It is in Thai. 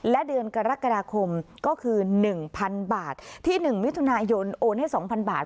และเดือนกรกฎาคมก็คือหนึ่งพันบาทที่หนึ่งมิถุนายนโอนให้สองพันบาท